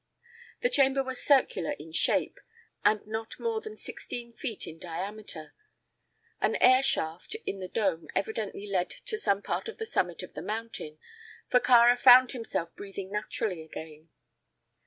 The chamber was circular in shape, and not more than sixteen feet in diameter. An air shaft in the dome evidently led to some part of the summit of the mountain, for Kāra found himself breathing naturally again.